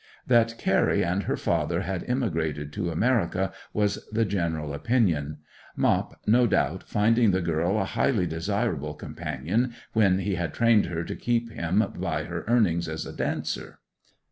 That Carry and her father had emigrated to America was the general opinion; Mop, no doubt, finding the girl a highly desirable companion when he had trained her to keep him by her earnings as a dancer.